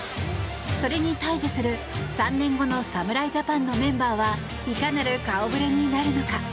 それに対峙する３年後の侍ジャパンのメンバーはいかなる顔ぶれになるのか。